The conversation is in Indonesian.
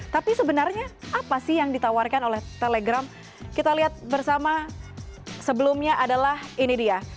tapi sebenarnya apa sih yang ditawarkan oleh telegram kita lihat bersama sebelumnya adalah ini dia